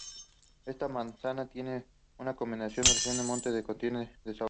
Estas masas de tierra combinadas reciben el nombre de continente de Sahul.